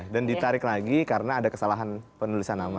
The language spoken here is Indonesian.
dan ditarik lagi karena ada kesalahan penulisan nama